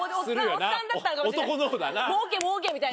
おっさんだったのかもしれない。